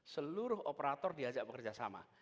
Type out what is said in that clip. seluruh operator diajak bekerja sama